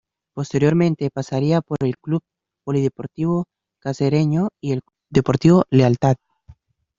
Posteriormente pasaría por el Club Polideportivo Cacereño y el Club Deportivo Lealtad.